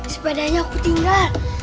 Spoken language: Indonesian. sepadanya aku tinggal